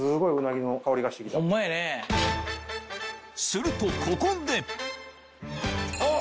するとここであっ！